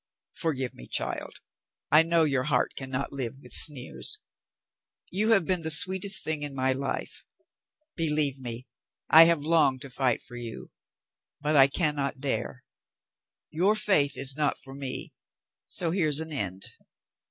"Forgive me, child. I know your heart can not live with sneers. You have been the sweetest thing in my life. Believe me, I have longed to fight for you. But I can not dare. Your faith is not for me. So here's an end.